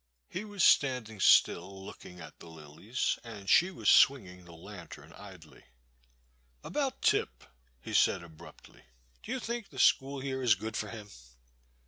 He was standing still, looking at the lilies, and she was swinging the lantern idly. About Tip, *' he said abruptly, do you think the school here is good for him